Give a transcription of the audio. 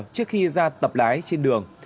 trước khi ra tập lái trên đường